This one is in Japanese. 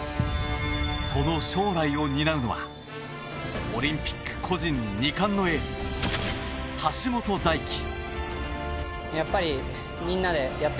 その将来を担うのはオリンピック個人２冠のエース橋本大輝。